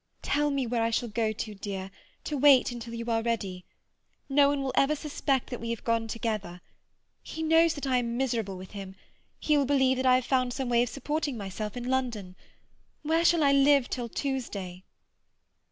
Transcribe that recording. Tell me where I shall go to, dear—to wait until you are ready. No one will ever suspect that we have gone together. He knows I am miserable with him; he will believe that I have found some way of supporting myself in London. Where shall I live till Tuesday?"